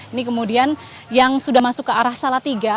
ini kemudian yang sudah masuk ke arah salatiga